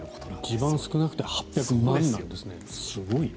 一番少なくて８００万なんですねすごいな。